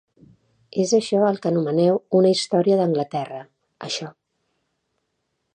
És això el que anomeneu una Història d'Anglaterra, això.